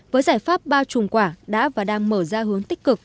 với giải pháp bao trùm quả đã và đang mở ra hướng tích cực